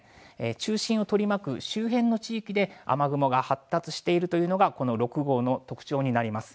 中心を取り巻く周辺の地域で雨雲が発達しているというのがこの６号の特徴になります。